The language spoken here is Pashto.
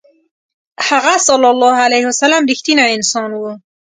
هغه ﷺ رښتینی انسان و.